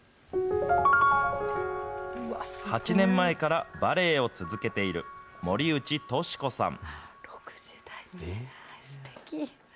８年前からバレエを続けている森内稔子さん。